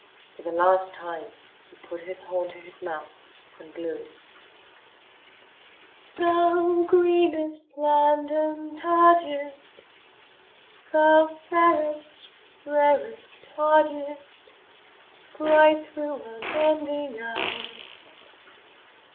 For the last time he put his horn to his mouth and blew: Thou greenest plant and tardiest, Thou fairest, rarest, hardiest, Bright through unending hours!